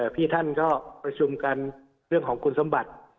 พี่ท่านก็ประชุมกันเรื่องของคุณสมบัติ